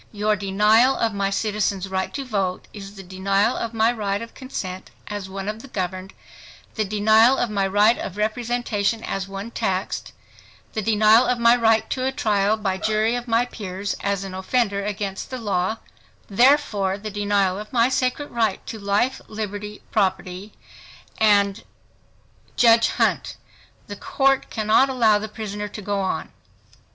Your denial of my citizen's right to vote, is the denial of my right of consent as one of the governed, the denial of my right of representation as one taxed, the denial of my right to a trial by jury of my peers as an offender against law; therefore, the denial of my sacred right to life, liberty, property, and—— JUDGE HUNT—The Court cannot allow the prisoner to go on.